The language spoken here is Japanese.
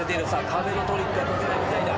壁のトリックは解けないみたいだ。